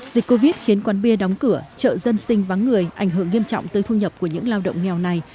dịch covid khiến quán bia đóng cửa chợ dân sinh vắng người ảnh hưởng nghiêm trọng tới thu nhập của những lao động nghèo này